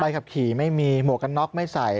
ขับขี่ไม่มีหมวกกันน็อกไม่ใส่